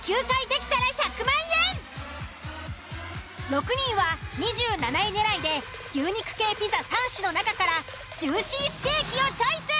６人は２７位狙いで牛肉系ピザ３種の中からジューシーステーキをチョイス。